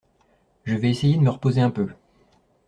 Je vais essayer de me reposer un peu.